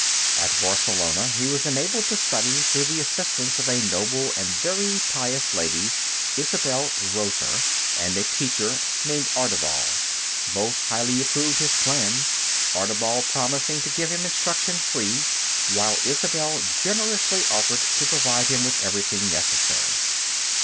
At Barcelona, he was enabled to study through the assistance of a noble and very pious lady, Isabel Roser, and a teacher, named Ardebal. Both highly approved his plan, Ardebal promising to give him instruction free, while Isabel generously offered to provide him with everything necessary.